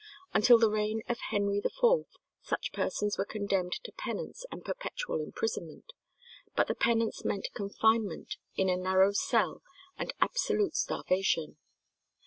Until the reign of Henry IV such persons were condemned to penance and perpetual imprisonment, but the penance meant confinement in a narrow cell and absolute starvation.